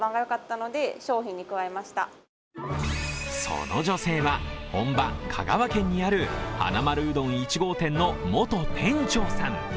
その女性は、本場・香川県にあるはなまるうどん１号店の元店長さん